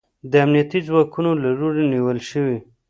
د امنیتي ځواکونو له لوري نیول شوی